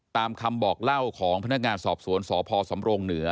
ตามคำบอกเล่าของพนักงานสอบสวนสพสำรงเหนือ